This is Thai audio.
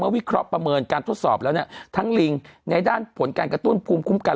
วิเคราะห์ประเมินการทดสอบแล้วเนี่ยทั้งลิงในด้านผลการกระตุ้นภูมิคุ้มกัน